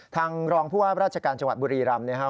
ทางรองผู้ว่าราชการจังหวัดบุรีรำนะครับ